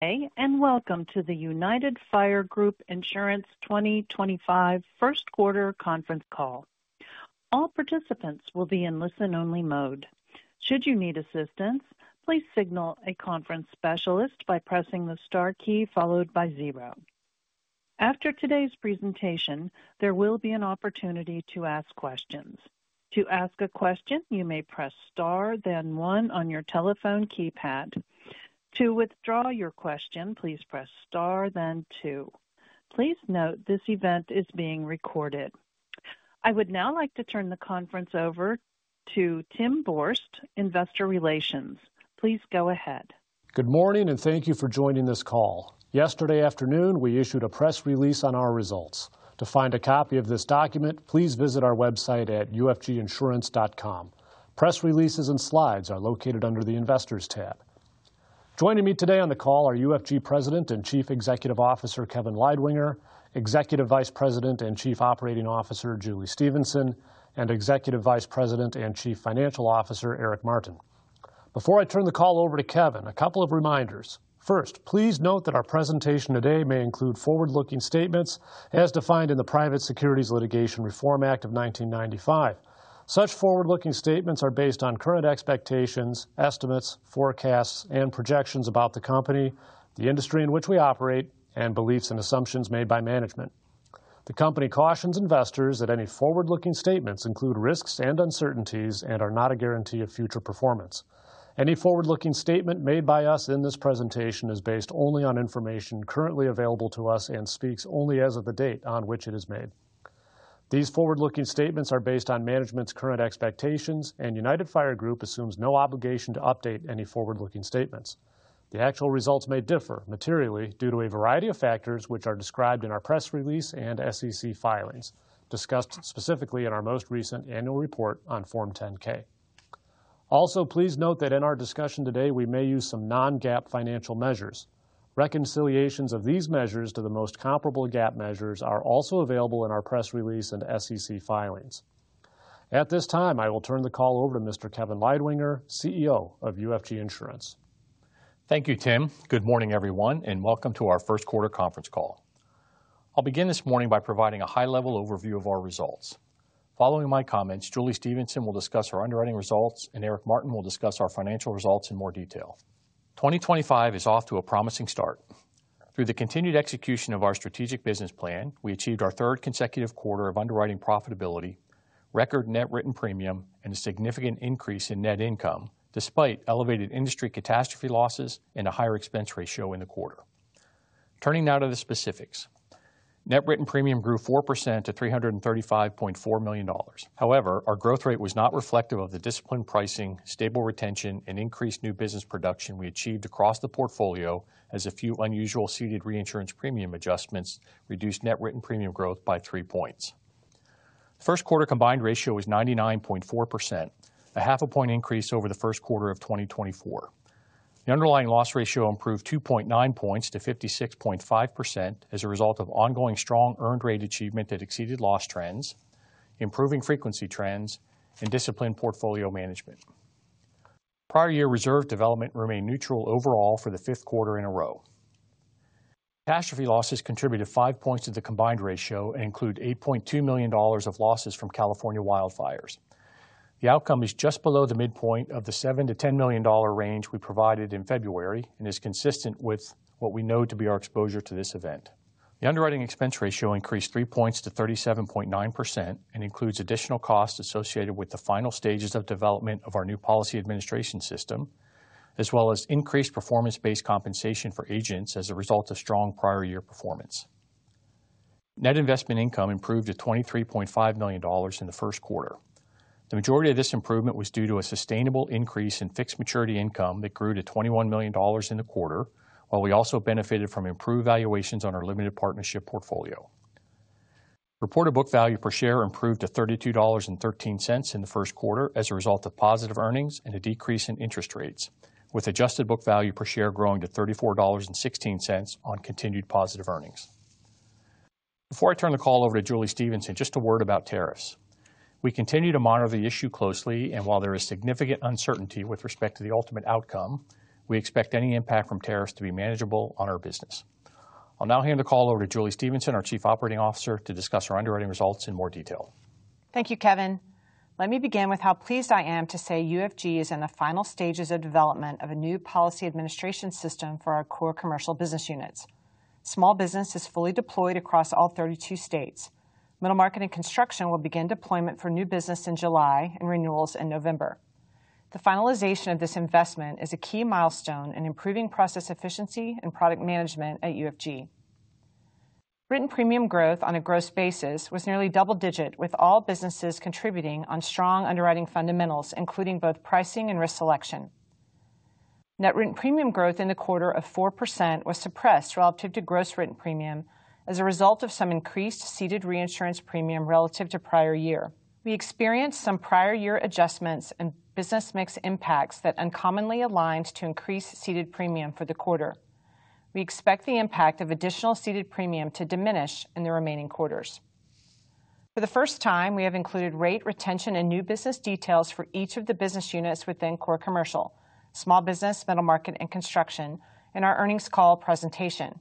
Welcome to the United Fire Group Insurance 2025 first-quarter conference call. All participants will be in listen-only mode. Should you need assistance, please signal a conference specialist by pressing the * key followed by 0. After today's presentation, there will be an opportunity to ask questions. To ask a question, you may press *, then 1 on your teleph1 keypad. To withdraw your question, please press *, then 2. Please note this event is being recorded. I would now like to turn the conference over to Tim Borst, Investor Relations. Please go ahead. Good morning, and thank you for joining this call. Yesterday afternoon, we issued a press release on our results. To find a copy of this document, please visit our website at ufginsurance.com. Press releases and slides are located under the Investors tab. Joining me today on the call are UFG President and Chief Executive Officer Kevin Leidwinger, Executive Vice President and Chief Operating Officer Julie Stephenson, and Executive Vice President and Chief Financial Officer Eric Martin. Before I turn the call over to Kevin, a couple of reminders. First, please note that our presentation today may include forward-looking statements as defined in the Private Securities Litigation Reform Act of 1995. Such forward-looking statements are based on current expectations, estimates, forecasts, and projections about the company, the industry in which we operate, and beliefs and assumptions made by management. The company cautions investors that any forward-looking statements include risks and uncertainties and are not a guarantee of future performance. Any forward-looking statement made by us in this presentation is based only on information currently available to us and speaks only as of the date on which it is made. These forward-looking statements are based on management's current expectations, and United Fire Group assumes no obligation to update any forward-looking statements. The actual results may differ materially due to a variety of factors which are described in our press release and SEC filings, discussed specifically in our most recent annual report on Form 10-K. Also, please note that in our discussion today, we may use some non-GAAP financial measures. Reconciliations of these measures to the most comparable GAAP measures are also available in our press release and SEC filings. At this time, I will turn the call over to Mr. Kevin Leidwinger, CEO of UFG Insurance. Thank you, Tim. Good morning, everyone, and welcome to our first-quarter conference call. I'll begin this morning by providing a high-level overview of our results. Following my comments, Julie Stephenson will discuss our underwriting results, and Eric Martin will discuss our financial results in more detail. 2025 is off to a promising *t. Through the continued execution of our strategic business plan, we achieved our third consecutive quarter of underwriting profitability, record net written premium, and a significant increase in net income despite elevated industry catastrophe losses and a higher expense ratio in the quarter. Turning now to the specifics, net written premium grew 4% to $335.4 million. However, our growth rate was not reflective of the disciplined pricing, stable retention, and increased new business production we achieved across the portfolio as a few unusual seeded reinsurance premium adjustments reduced net written premium growth by three points. The first-quarter combined ratio was 99.4%, a half a point increase over the first quarter of 2024. The underlying loss ratio improved 2.9 points to 56.5% as a result of ongoing strong earned rate achievement that exceeded loss trends, improving frequency trends, and disciplined portfolio management. Prior year reserve development remained neutral overall for the fifth quarter in a row. Catastrophe losses contributed five points to the combined ratio and include $8.2 million of losses from California wildfires. The outcome is just below the midpoint of the $7-$10 million range we provided in February and is consistent with what we know to be our exposure to this event. The underwriting expense ratio increased three points to 37.9% and includes additional costs associated with the final stages of development of our new policy administration system, as well as increased performance-based compensation for agents as a result of strong prior year performance. Net investment income improved to $23.5 million in the first quarter. The majority of this improvement was due to a sustainable increase in fixed maturity income that grew to $21 million in the quarter, while we also benefited from improved valuations on our limited partnership portfolio. Reported book value per share improved to $32.13 in the first quarter as a result of positive earnings and a decrease in interest rates, with adjusted book value per share growing to $34.16 on continued positive earnings. Before I turn the call over to Julie Stephenson, just a word about tariffs. We continue to monitor the issue closely, and while there is significant uncertainty with respect to the ultimate outcome, we expect any impact from tariffs to be manageable on our business. I'll now hand the call over to Julie Stephenson, our Chief Operating Officer, to discuss our underwriting results in more detail. Thank you, Kevin. Let me begin with how pleased I am to say UFG is in the final stages of development of a new policy administration system for our core commercial business units. Small business is fully deployed across all 32 states. Middle market and construction will begin deployment for new business in July and renewals in November. The finalization of this investment is a key milest1 in improving process efficiency and product management at UFG. Written premium growth on a gross basis was nearly double-digit, with all businesses contributing on strong underwriting fundamentals, including both pricing and risk selection. Net written premium growth in the quarter of 4% was suppressed relative to gross written premium as a result of some increased seeded reinsurance premium relative to prior year. We experienced some prior year adjustments and business mix impacts that uncommonly aligned to increased seeded premium for the quarter. We expect the impact of additional seeded premium to diminish in the remaining quarters. For the first time, we have included rate, retention, and new business details for each of the business units within core commercial, small business, middle market, and construction in our earnings call presentation.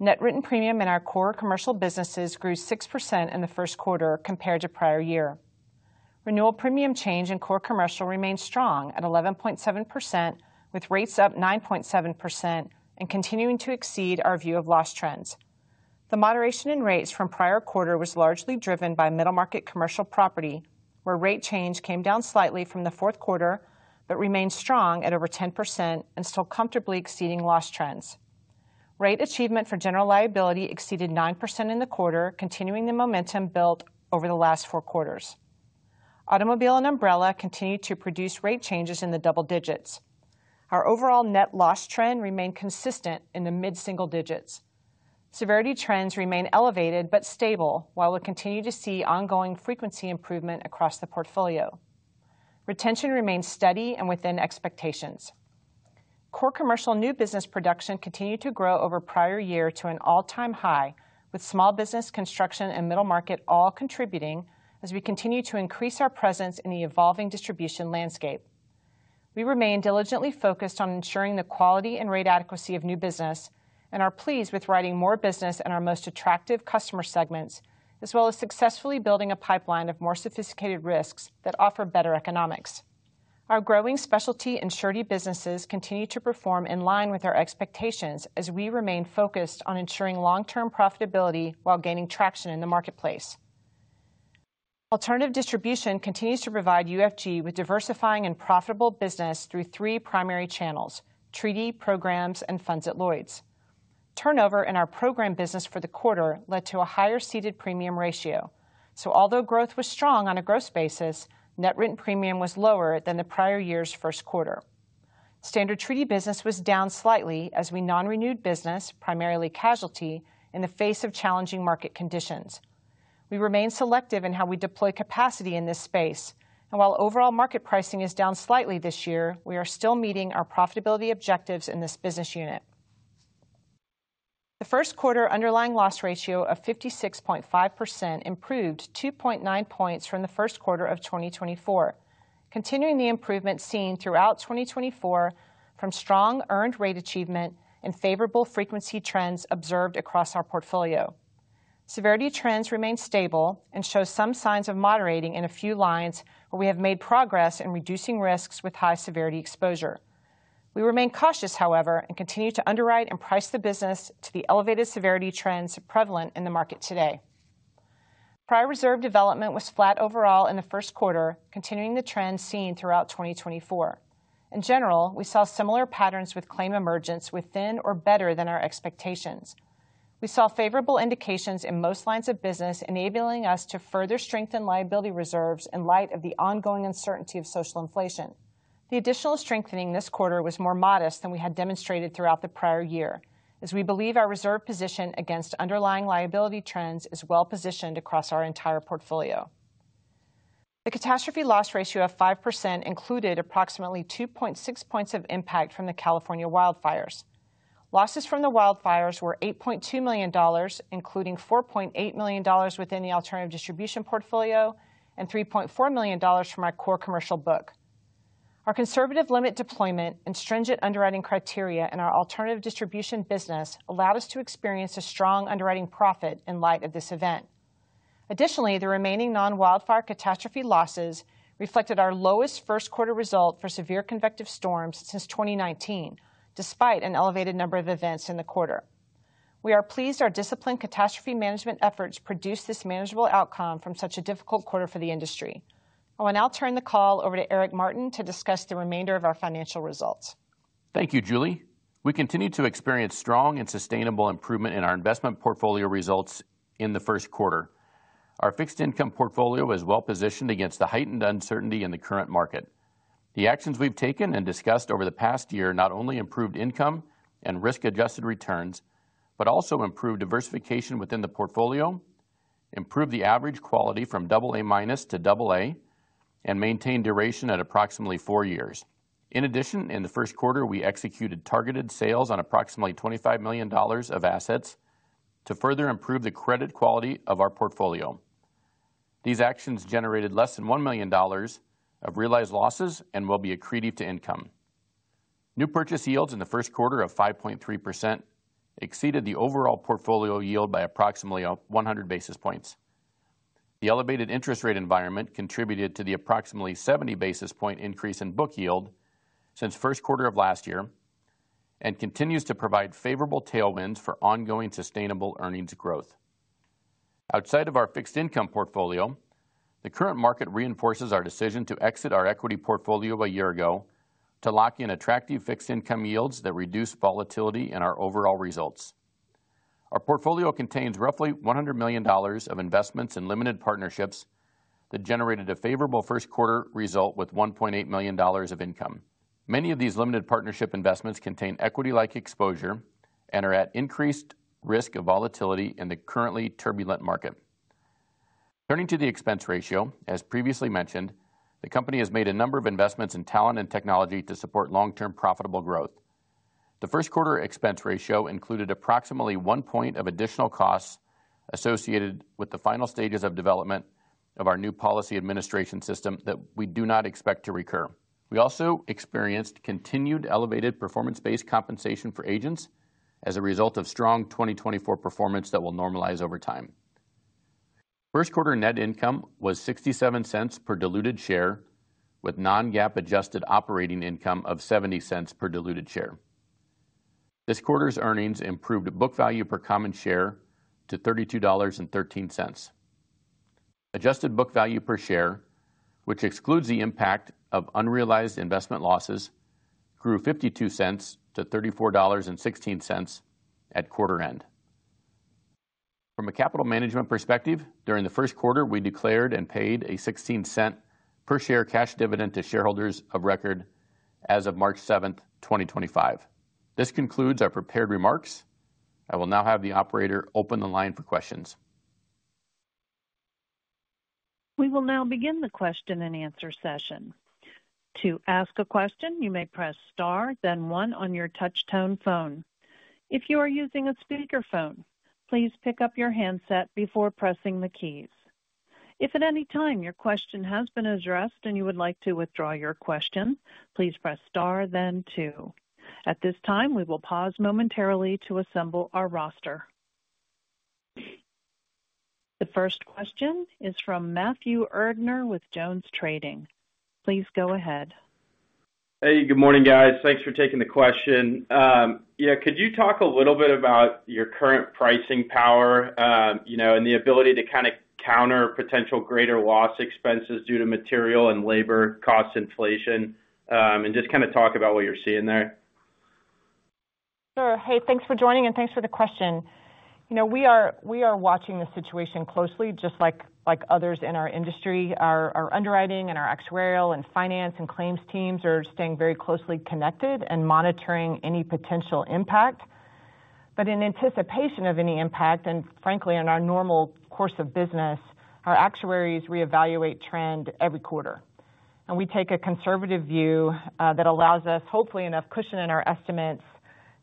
Net written premium in our core commercial businesses grew 6% in the first quarter compared to prior year. Renewal premium change in core commercial remained strong at 11.7%, with rates up 9.7% and continuing to exceed our view of loss trends. The moderation in rates from prior quarter was largely driven by middle market commercial property, where rate change came down slightly from the fourth quarter but remained strong at over 10% and still comfortably exceeding loss trends. Rate achievement for general liability exceeded 9% in the quarter, continuing the momentum built over the last four quarters. Automobile and umbrella continued to produce rate changes in the double digits. Our overall net loss trend remained consistent in the mid-single digits. Severity trends remain elevated but stable, while we continue to see ongoing frequency improvement across the portfolio. Retention remained steady and within expectations. Core commercial new business production continued to grow over prior year to an all-time high, with small business, construction, and middle market all contributing as we continue to increase our presence in the evolving distribution landscape. We remain diligently focused on ensuring the quality and rate adequacy of new business and are pleased with writing more business in our most attractive customer segments, as well as successfully building a pipeline of more sophisticated risks that offer better economics. Our growing specialty insurity businesses continue to perform in line with our expectations as we remain focused on ensuring long-term profitability while gaining traction in the marketplace. Alternative distribution continues to provide UFG with diversifying and profitable business through three primary channels: treaty, programs, and funds at Lloyd's. Turnover in our program business for the quarter led to a higher seeded premium ratio, so although growth was strong on a gross basis, net written premium was lower than the prior year's first quarter. Standard treaty business was down slightly as we non-renewed business, primarily casualty, in the face of challenging market conditions. We remain selective in how we deploy capacity in this space, and while overall market pricing is down slightly this year, we are still meeting our profitability objectives in this business unit. The first-quarter underlying loss ratio of 56.5% improved 2.9 points from the first quarter of 2024, continuing the improvement seen throughout 2024 from strong earned rate achievement and favorable frequency trends observed across our portfolio. Severity trends remain stable and show some signs of moderating in a few lines where we have made progress in reducing risks with high severity exposure. We remain cautious, however, and continue to underwrite and price the business to the elevated severity trends prevalent in the market today. Prior reserve development was flat overall in the first quarter, continuing the trends seen throughout 2024. In general, we saw similar patterns with claim emergence within or better than our expectations. We saw favorable indications in most lines of business, enabling us to further strengthen liability reserves in light of the ongoing uncertainty of social inflation. The additional strengthening this quarter was more modest than we had demonstrated throughout the prior year, as we believe our reserve position against underlying liability trends is well-positioned across our entire portfolio. The catastrophe loss ratio of 5% included approximately 2.6 points of impact from the California wildfires. Losses from the wildfires were $8.2 million, including $4.8 million within the alternative distribution portfolio and $3.4 million from our core commercial book. Our conservative limit deployment and stringent underwriting criteria in our alternative distribution business allowed us to experience a strong underwriting profit in light of this event. Additionally, the remaining non-wildfire catastrophe losses reflected our lowest first-quarter result for severe convective storms since 2019, despite an elevated number of events in the quarter. We are pleased our disciplined catastrophe management efforts produced this manageable outcome from such a difficult quarter for the industry. I will now turn the call over to Eric Martin to discuss the remainder of our financial results. Thank you, Julie. We continue to experience strong and sustainable improvement in our investment portfolio results in the first quarter. Our fixed income portfolio is well-positioned against the heightened uncertainty in the current market. The actions we've taken and discussed over the past year not only improved income and risk-adjusted returns, but also improved diversification within the portfolio, improved the average quality from AA- to AA, and maintained duration at approximately four years. In addition, in the first quarter, we executed targeted sales on approximately $25 million of assets to further improve the credit quality of our portfolio. These actions generated less than $1 million of realized losses and will be accredited to income. New purchase yields in the first quarter of 5.3% exceeded the overall portfolio yield by approximately 100 basis points. The elevated interest rate environment contributed to the approximately 70 basis point increase in book yield since first quarter of last year and continues to provide favorable tailwinds for ongoing sustainable earnings growth. Outside of our fixed income portfolio, the current market reinforces our decision to exit our equity portfolio a year ago to lock in attractive fixed income yields that reduce volatility in our overall results. Our portfolio contains roughly $100 million of investments in limited partnerships that generated a favorable first-quarter result with $1.8 million of income. Many of these limited partnership investments contain equity-like exposure and are at increased risk of volatility in the currently turbulent market. Turning to the expense ratio, as previously mentioned, the company has made a number of investments in talent and technology to support long-term profitable growth. The first-quarter expense ratio included approximately one point of additional costs associated with the final stages of development of our new policy administration system that we do not expect to recur. We also experienced continued elevated performance-based compensation for agents as a result of strong 2024 performance that will normalize over time. First-quarter net income was $0.67 per diluted share, with non-GAAP adjusted operating income of $0.70 per diluted share. This quarter's earnings improved book value per common share to $32.13. Adjusted book value per share, which excludes the impact of unrealized investment losses, grew $0.52 to $34.16 at quarter end. From a capital management perspective, during the first quarter, we declared and paid a $0.16 per share cash dividend to shareholders of record as of March 7, 2025. This concludes our prepared remarks. I will now have the operator open the line for questions. We will now begin the question and answer session. To ask a question, you may press *, then 1 on your touch-tone phone. If you are using a speakerphone, please pick up your handset before pressing the keys. If at any time your question has been addressed and you would like to withdraw your question, please press *, then 2. At this time, we will pause momentarily to assemble our roster. The first question is from Matthew Erdner with Jones Trading. Please go ahead. Hey, good morning, guys. Thanks for taking the question. Yeah, could you talk a little bit about your current pricing power and the ability to kind of counter potential greater loss expenses due to material and labor cost inflation and just kind of talk about what you're seeing there? Sure. Hey, thanks for joining and thanks for the question. You know, we are watching the situation closely, just like others in our industry. Our underwriting and our actuarial and finance and claims teams are staying very closely connected and monitoring any potential impact. In anticipation of any impact, and frankly, in our normal course of business, our actuaries reevaluate trend every quarter. We take a conservative view that allows us, hopefully enough, cushion in our estimates,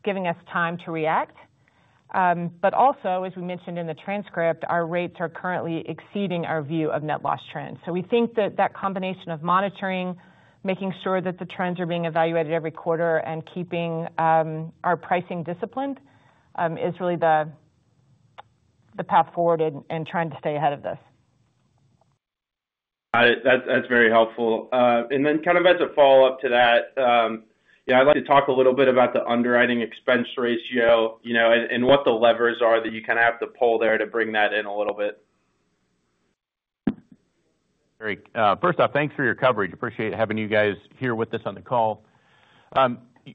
giving us time to react. Also, as we mentioned in the transcript, our rates are currently exceeding our view of net loss trends. We think that that combination of monitoring, making sure that the trends are being evaluated every quarter, and keeping our pricing disciplined is really the path forward in trying to stay ahead of this. Got it. That's very helpful. As a follow-up to that, yeah, I'd like to talk a little bit about the underwriting expense ratio and what the levers are that you kind of have to pull there to bring that in a little bit. Great. First off, thanks for your coverage. Appreciate having you guys here with us on the call.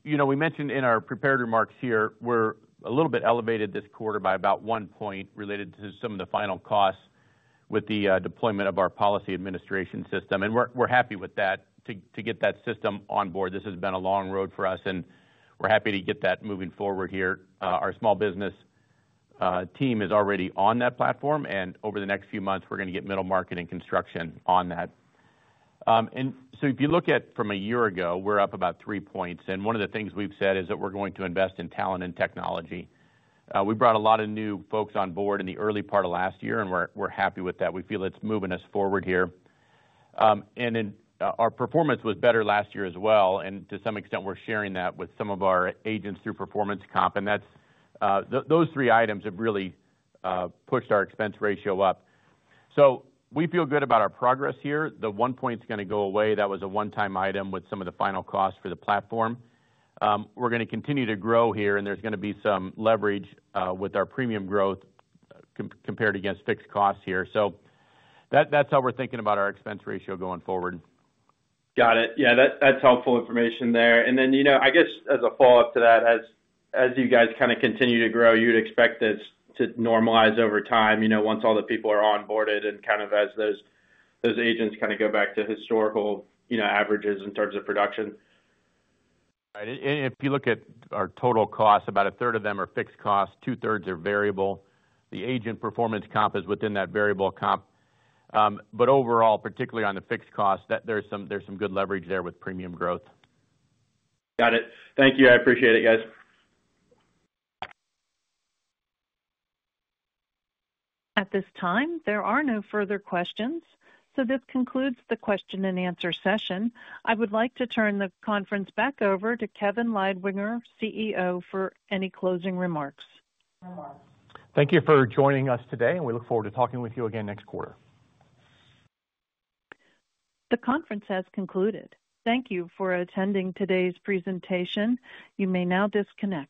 You know, we mentioned in our prepared remarks here, we're a little bit elevated this quarter by about 1% related to some of the final costs with the deployment of our policy administration system. And we're happy with that to get that system on board. This has been a long road for us, and we're happy to get that moving forward here. Our small business team is already on that platform, and over the next few months, we're going to get middle market and construction on that. If you look at from a year ago, we're up about 3%. One of the things we've said is that we're going to invest in talent and technology. We brought a lot of new folks on board in the early part of last year, and we're happy with that. We feel it's moving us forward here. Our performance was better last year as well. To some extent, we're sharing that with some of our agents through performance comp. Those three items have really pushed our expense ratio up. We feel good about our progress here. The one point's going to go away. That was a one-time item with some of the final costs for the platform. We're going to continue to grow here, and there's going to be some leverage with our premium growth compared against fixed costs here. That's how we're thinking about our expense ratio going forward. Got it. Yeah, that's helpful information there. You know, I guess as a follow-up to that, as you guys kind of continue to grow, you'd expect this to normalize over time, you know, once all the people are onboarded and kind of as those agents kind of go back to historical averages in terms of production. Right. If you look at our total costs, about a third of them are fixed costs, two-thirds are variable. The agent performance comp is within that variable comp. Overall, particularly on the fixed costs, there is some good leverage there with premium growth. Got it. Thank you. I appreciate it, guys. At this time, there are no further questions. This concludes the question and answer session. I would like to turn the conference back over to Kevin Leidwinger, CEO, for any closing remarks. Thank you for joining us today, and we look forward to talking with you again next quarter. The conference has concluded. Thank you for attending today's presentation. You may now disconnect.